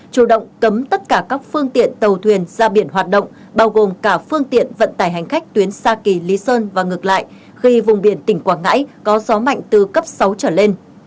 chủ động cấm tất cả các phương tiện tàu thuyền ra biển hoạt động bao gồm cả phương tiện vận tải hành khách tuyến sa kỳ lý sơn và ngược lại khi vùng biển tỉnh quảng ngãi có gió mạnh từ cấp sáu trở lên